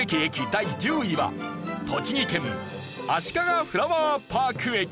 第１０位は栃木県あしかがフラワーパーク駅。